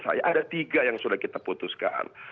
saya ada tiga yang sudah kita putuskan